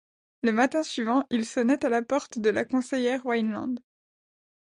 Le matin suivant, il sonnait à la porte de la conseillère Weinland.